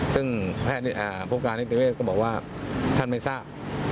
ซึ่งผู้การนิติเวศก็บอกว่าท่านไม่ทราบ